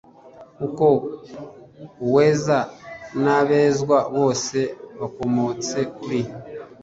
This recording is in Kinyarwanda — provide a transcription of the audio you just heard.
kuko uweza n’abezwa bose bakomotse kuri